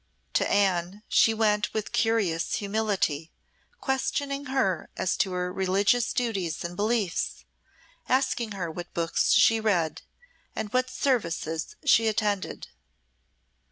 To Anne she went with curious humility, questioning her as to her religious duties and beliefs, asking her what books she read, and what services she attended.